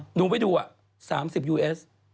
หนูไปดู๓๐ยูเอส